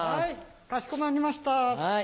かしこまりました。